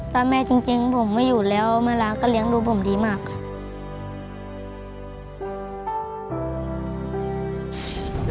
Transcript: ถ้าแม่จริงผมไม่อยู่แล้วแม่รักก็เลี้ยงดูผมดีมากค่ะ